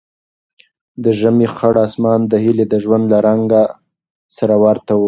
د ژمي خړ اسمان د هیلې د ژوند له رنګ سره ورته و.